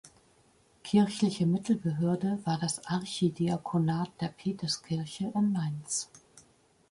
Kirchliche Mittelbehörde war das Archidiakonat der Peterskirche in Mainz.